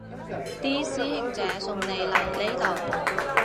啲師兄姐送你嚟呢度